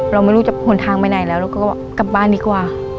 เราไม่รู้จะหนทางไปไหนแล้วเราก็บอกกลับบ้านดีกว่า